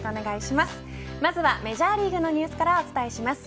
まずはメジャーリーグのニュースからお伝えします。